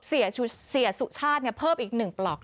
เสียสุชาติเพิ่มอีก๑ปลอก